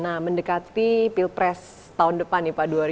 nah mendekati pilpres tahun depan